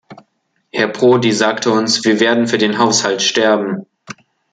Herr Prodi sagte uns "Wir werden für den Haushalt sterben".